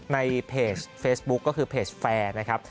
ในเพจเฟสบุ๊คก็คือเพจแฟร์